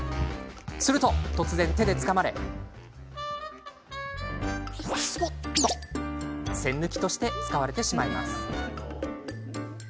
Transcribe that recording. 突然、手でつかまれしゅぽっと栓抜きとして使われてしまいます。